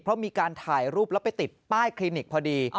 เพราะมีการถ่ายรูปแล้วไปติดป้ายคลินิกพอดี